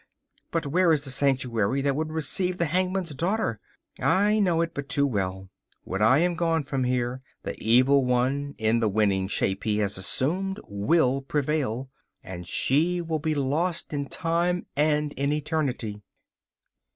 But where is the sanctuary that would receive the hangman's daughter? I know it but too well: when I am gone from here, the Evil One, in the winning shape he has assumed, will prevail, and she will be lost in time and in eternity.